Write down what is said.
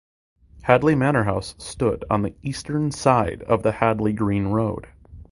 Hadley manor house stood on the eastern side of Hadley Green Road.